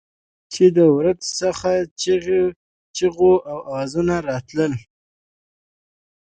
چې د ورد څخه د چېغو اوزونه راتلل.